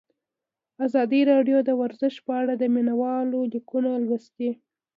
ازادي راډیو د ورزش په اړه د مینه والو لیکونه لوستي.